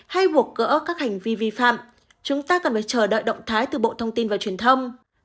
hay buộc gỡ các hành vi vi phạm chúng ta cần phải chờ đợi động thái từ bộ thông tin và truyền thông